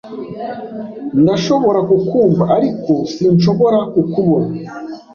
Ndashobora kukumva, ariko sinshobora kukubona.